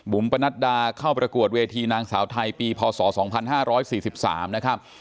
ปนัดดาเข้าประกวดเวทีนางสาวไทยปีพศ๒๕๔๓นะครับ